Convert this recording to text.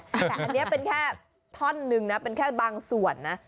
แต่อันนี้เป็นแค่ท่อนหนึ่งนะเป็นแค่บางส่วนนะ